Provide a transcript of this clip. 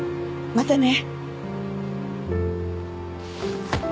またね